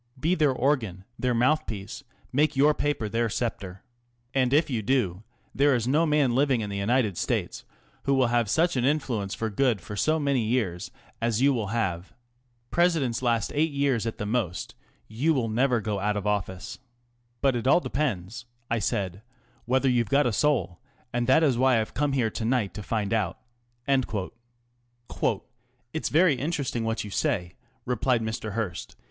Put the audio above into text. Be their organ, their mouth piece, make your paper their sceptre. And if you do, there is no man living in the United States who will have such an influence for good for so many years as you will have. Presidents last eight years at the most. You will never go out of office. But it all depends," I said, " whether you've got a soul, and that is why I've come here to night to find out." " It's very interesting what you say," replied Mr. Hearst.